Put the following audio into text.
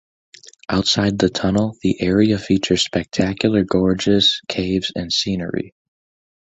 Outside the tunnel, the area features spectacular gorges, caves and scenery.